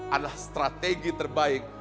adalah strategi terbaik